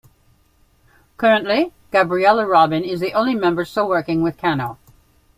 Currently, Gabriela Robin is the only member still working with Kanno.